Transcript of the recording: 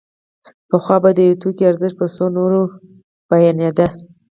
پخوا به د یو توکي ارزښت په څو نورو بیانېده